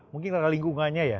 mungkin karena lingkungannya ya